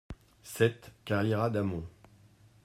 sept carriera d'Amont